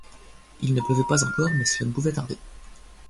Il ne pleuvait pas encore, mais cela ne pouvait tarder.